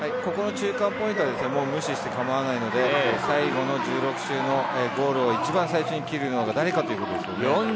この中間ポイントは無視して構わないので最後の１６周のゴールを一番最初に切るのが誰かということです。